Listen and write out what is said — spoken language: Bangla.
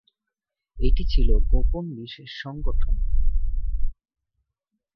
এটি ছিল গোপন বিশেষ সংগঠন।